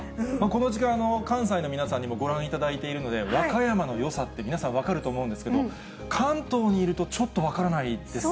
この時間、関西の皆さんにもご覧いただいているので、和歌山のよさって、皆さん、分かると思うんですけど、関東にいると、ちょっと分からないです